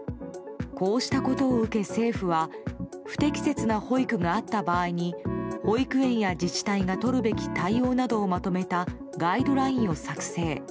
こうしたことを受け、政府は不適切な保育があった場合に保育園や自治体がとるべき対応などをまとめたガイドラインを作成。